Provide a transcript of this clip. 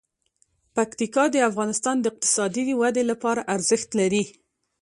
پکتیکا د افغانستان د اقتصادي ودې لپاره ارزښت لري.